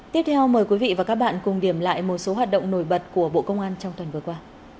tiếp theo mời quý vị và các bạn cùng điểm lại một số hoạt động nổi bật của bộ công an trong tuần vừa qua